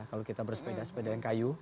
kalau kita bersepeda sepeda yang kayu